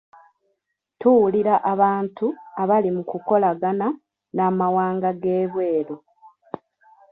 Tuwulira abantu abali mu kukolagana n'amawanga g'ebweru.